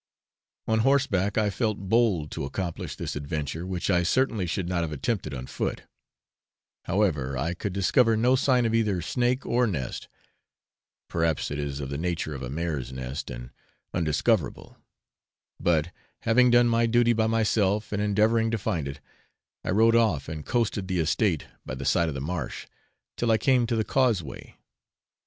On horseback I felt bold to accomplish this adventure, which I certainly should not have attempted on foot; however, I could discover no sign of either snake or nest (perhaps it is of the nature of a mare's nest, and undiscoverable); but, having done my duty by myself in endeavouring to find it, I rode off and coasted the estate by the side of the marsh, till I came to the causeway.